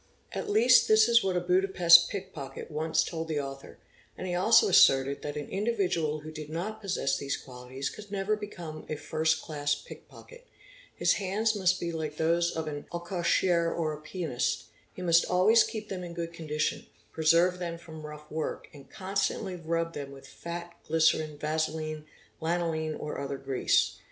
At least this is what a Budapest pickpocket once told the author and he also asserted that an individual who did not possess these qualities could never become a 'first class pickpocket', his hands must be like those of "an accoucheur 1 or a pianist', he must always keep them in good condition, preserve them : from rough work, and constantly rub them with fat, glycerine, vaseline, lanoline, or other grease.